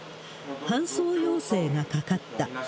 搬送要請がかかった。